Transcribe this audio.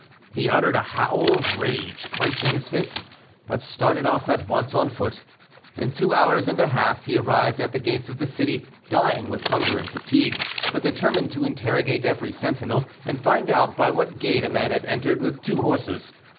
He uttered a howl of rage, clenching his fists, but started off at once on foot. In two hours and a half, he arrived at the gates of the city, dying with hunger and fatigue, but determined to interrogate every sentinel, and find out by what gate a man had entered with two horses.